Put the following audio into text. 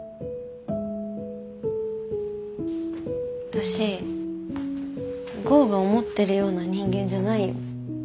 私剛が思ってるような人間じゃないよ。